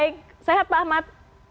baik sehat pak ahmad